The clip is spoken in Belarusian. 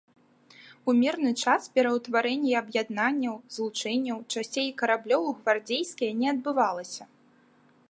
У мірны час пераўтварэнне аб'яднанняў, злучэнняў, часцей і караблёў у гвардзейскія не адбывалася.